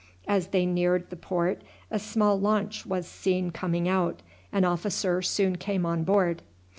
As they neared the port a small launch was seen coming out. An officer soon came on board.